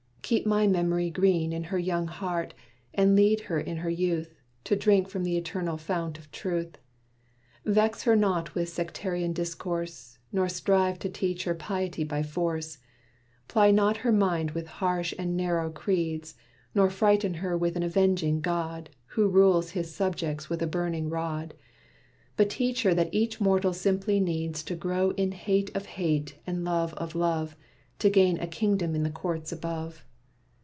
Keep my memory green In her young heart, and lead her in her youth, To drink from th' eternal fount of Truth; Vex her not with sectarian discourse, Nor strive to teach her piety by force; Ply not her mind with harsh and narrow creeds, Nor frighten her with an avenging God, Who rules his subjects with a burning rod; But teach her that each mortal simply needs To grow in hate of hate and love of love, To gain a kingdom in the courts above.